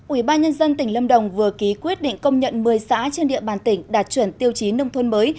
ubnd tỉnh lâm đồng vừa ký quyết định công nhận một mươi xã trên địa bàn tỉnh đạt chuẩn tiêu chí nông thôn mới